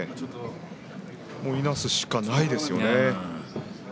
もう、いなすしかないですよね。